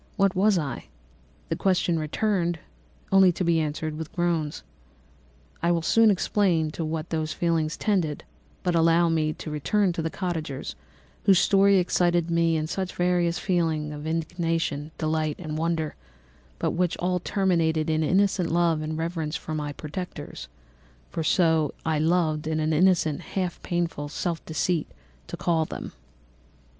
What was I? The question again recurred, to be answered only with groans. "I will soon explain to what these feelings tended, but allow me now to return to the cottagers, whose story excited in me such various feelings of indignation, delight, and wonder, but which all terminated in additional love and reverence for my protectors (for so I loved, in an innocent, half painful self deceit, to call them)."